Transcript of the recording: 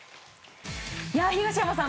東山さん